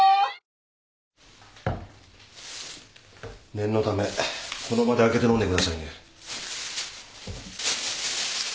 念のためこの場で開けて飲んでくださいね。